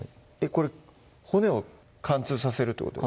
これ骨を貫通させるってことですか？